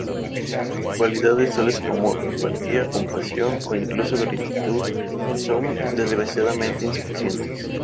Cualidades tales como simpatía, compasión o incluso gratitud son desgraciadamente insuficientes.